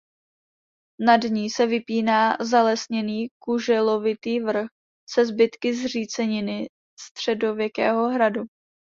Nad ní se vypíná zalesněný kuželovitý vrch se zbytky zříceniny středověkého hradu.